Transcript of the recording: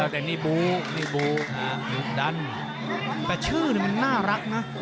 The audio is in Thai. แต่ชื่อน่าลักนะ